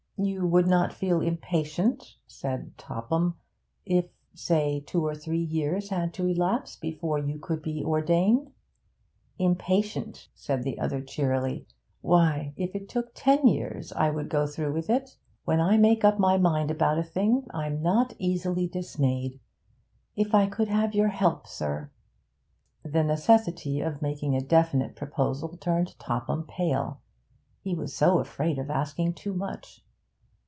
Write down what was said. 'You would not feel impatient,' said Topham, 'if, say, two or three years had to elapse before you could be ordained?' 'Impatient,' said the other cheerily. 'Why, if it took ten years I would go through with it. When I make up my mind about a thing, I'm not easily dismayed. If I could have your help, sir ' The necessity of making a definite proposal turned Topham pale; he was so afraid of asking too much.